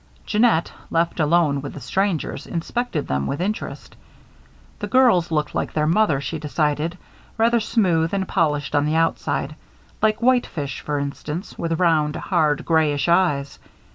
Jeannette, left alone with the strangers, inspected them with interest. The girls looked like their mother, she decided; rather smooth and polished on the outside like whitefish, for instance, with round, hard grayish eyes.